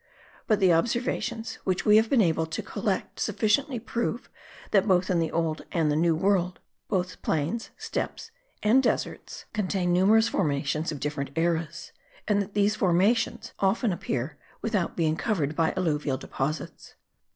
But the observations which we have been able to collect sufficiently prove that both in the Old and the New World, both plains, steppes, and deserts contain numerous formations of different eras, and that these formations often appear without being covered by alluvial deposits.